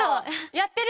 やってる？